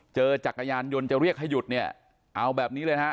จักรยานยนต์จะเรียกให้หยุดเนี่ยเอาแบบนี้เลยนะฮะ